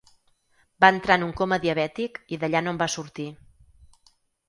Va entrar en un coma diabètic i d’allà no en va sortir.